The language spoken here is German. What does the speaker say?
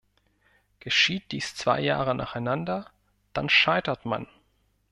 Geschieht dies zwei Jahre nacheinander, dann scheitert man.